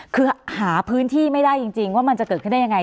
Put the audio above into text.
คือหาพื้นที่ไม่ได้จริงว่ามันจะเกิดขึ้นได้ยังไง